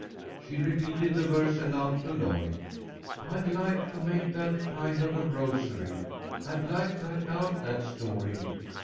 She repeated the verse aloud to Lloyd. "I'd like to make that kind of a rosary. I'd like to act out that story.